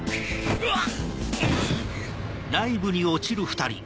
うわっ！